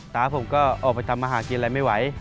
ตาผมก็ออกไปทำอาหารกินอะไรไม่ไหว